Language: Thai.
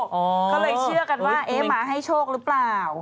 ก็เลยเชื่อกันว่าเอ๊ะมาให้โชคหรือเปล่า